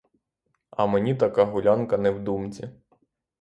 А мені така гулянка не в думці.